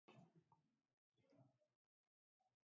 It serves Korai town.